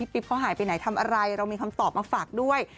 ปิ๊บเขาหายไปไหนทำอะไรเรามีคำตอบมาฝากด้วย